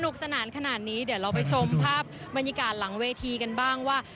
สนานขนาดนี้เดี๋ยวเราไปชมภาพบรรยากาศหลังเวทีกันบ้างว่า